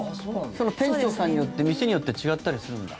店長さんによって店によって違ったりするんだ。